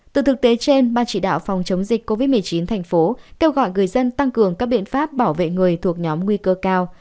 từ thực tế trên ban chỉ đạo phòng chống dịch covid một mươi chín thành phố kêu gọi người dân tăng cường các biện pháp bảo vệ người thuộc nhóm nguy cơ cao